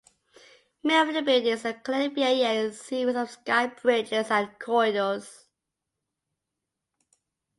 Many of the buildings are connected via a series of sky bridges and corridors.